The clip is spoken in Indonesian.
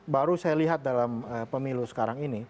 baru saya lihat dalam pemilu sekarang ini